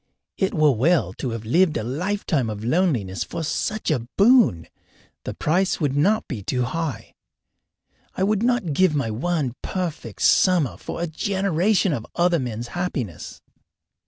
It were well to have lived a lifetime of loneliness for such a boon the price would not be too high. I would not give my one perfect summer for a generation of other men's happiness.